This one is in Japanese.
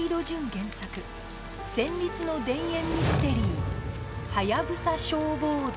原作戦慄の田園ミステリー『ハヤブサ消防団』